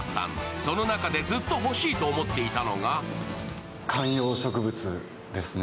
その中でずっと欲しいと思っていたのが観葉植物ですね。